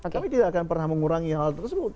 kami tidak akan pernah mengurangi hal tersebut